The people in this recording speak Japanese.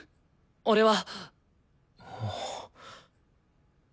俺は。